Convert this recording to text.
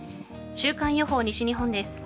週間予報、西日本です。